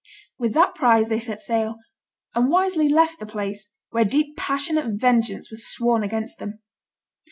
With that prize they set sail, and wisely left the place, where deep passionate vengeance was sworn against them.